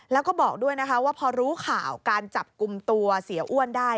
แล้วก็บอกด้วยนะคะว่าพอรู้ข่าวการจับกลุ่มตัวเสียอ้วนได้